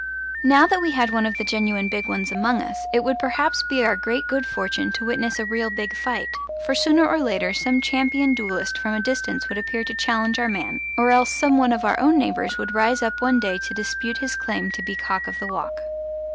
Now that we had one of the genuine big ones among us it would perhaps be our great good fortune to witness a real big fight; for sooner or later some champion duellist from a distance would appear to challenge our man, or else some one of our own neighbours would rise up one day to dispute his claim to be cock of the walk.